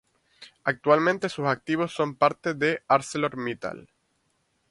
Actualmente sus activos son parte de Arcelor Mittal.